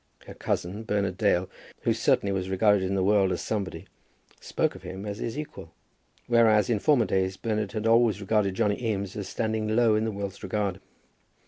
Her cousin, Bernard Dale, who certainly was regarded in the world as somebody, spoke of him as his equal; whereas in former days Bernard had always regarded Johnny Eames as standing low in the world's regard.